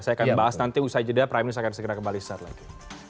saya akan bahas nanti usai jeda pramil saya akan segera kembali sesaat lagi